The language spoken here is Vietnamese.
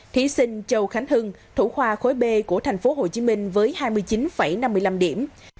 thí sinh châu khánh hưng thủ khoa khối b của tp hcm với hai mươi chín năm mươi năm điểm